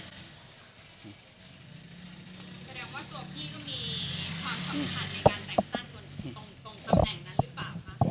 ในการแต่งตั้งตรงตำแหน่งนั้นหรือเปล่าครับ